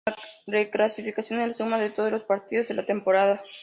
La reclasificación es la suma de todos los partidos en la temporada.